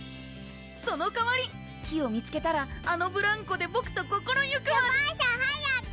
その代わり木を見つけたらあのブランコでボクと心ゆくまでつばさはやく！